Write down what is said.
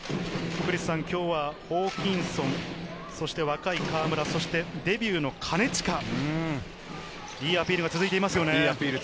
今日はホーキンソン、そして若い河村、デビューの金近、いいアピールが続いていますよね。